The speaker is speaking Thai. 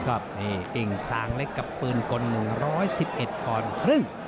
ก็เองสางเล็กกับปืนกล๑๑๑ตอนครึ่ง